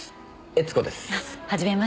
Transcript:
悦子です。